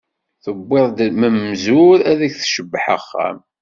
Tewwiḍ-d mm umzur, ad ak-tcebbeḥ axxam.